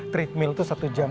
treat meal itu satu jam